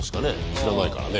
知らないからね。